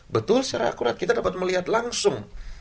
betul secara akurat kita dapat melihat langsung